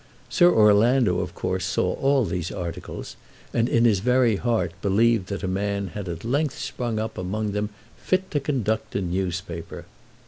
Sir Orlando of course saw all these articles, and in his very heart believed that a man had at length sprung up among them fit to conduct a newspaper.